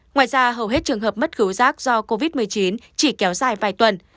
ngoài ra hầu hết trường hợp mất cứu giác do covid một mươi chín chỉ kéo dài vài tuần